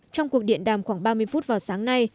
trong cuộc điện đàm khoảng ba mươi phút vào sáng nay